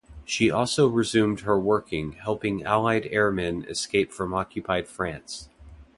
She also resumed her working helping Allied airmen escape from occupied France.